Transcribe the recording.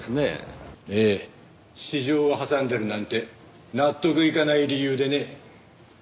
ええ私情を挟んでるなんて納得いかない理由でね。